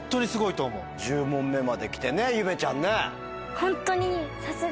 １０問目まできてゆめちゃんね。